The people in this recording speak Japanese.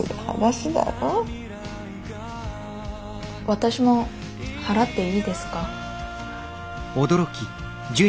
私も払っていいですか？